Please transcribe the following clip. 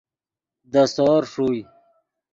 دے سور ݰوئے